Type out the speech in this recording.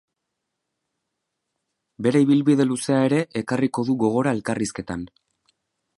Bere ibilbide luzea ere ekarriko du gogora elkarrizketan.